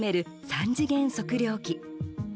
３次元測量器。